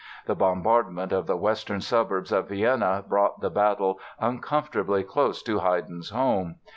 The bombardment of the western suburbs of Vienna brought the battle uncomfortably close to Haydn's home.